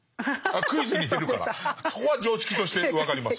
クイズに出るからそこは常識として分かります。